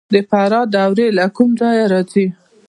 د فراه دوړې له کوم ځای راځي؟